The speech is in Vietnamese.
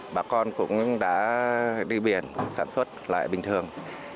bà con cũng đã đi biển sản xuất lại bình thường